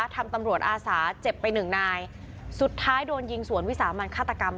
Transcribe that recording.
ตำรวจอาสาเจ็บไปหนึ่งนายสุดท้ายโดนยิงสวนวิสามันฆาตกรรม